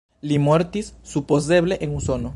Li mortis supozeble en Usono.